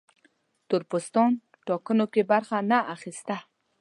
تور پوستان ټاکنو کې برخه نه اخیسته.